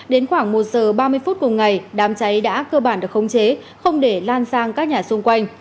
đến khoảng một giờ ba mươi phút cùng ngày đám cháy đã cơ bản được khống chế không để lan sang các nhà xung quanh